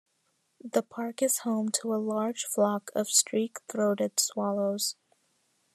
The park is home to a large flock of streak-throated swallows.